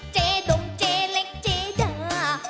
เจ๊ดมเจ๊เล็กเจ๊ดา